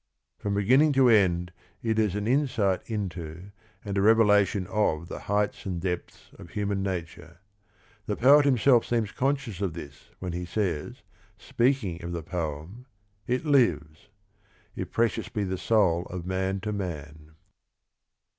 From beginning to end it is an in sight into, and a revelation of the heights and depths of human nature. The poet himself seems conscious of this when he says, speaking 10 THE RING AND THE BOOK of the poem, "It lives," "if precious be the soul of man to man."